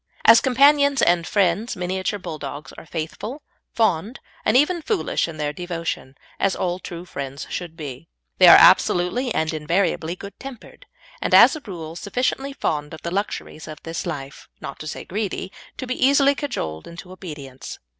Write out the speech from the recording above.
As companions and friends Miniature Bulldogs are faithful, fond, and even foolish in their devotion, as all true friends should be. They are absolutely and invariably good tempered, and, as a rule, sufficiently fond of the luxuries of this life not to say greedy to be easily cajoled into obedience.